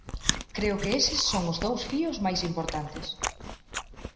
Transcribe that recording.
Creo que eses son os dous fíos máis importantes.